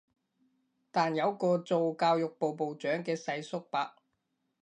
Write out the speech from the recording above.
但有個做教育部部長嘅世叔伯